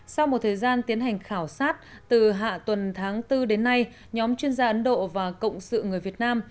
sau một thời gian tiến hành khảo sát từ hạ tuần tháng bốn đến nay nhóm chuyên gia ấn độ và cộng sự người việt nam